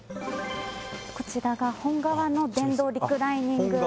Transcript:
こちらが本革の電動リクライニングあ本革？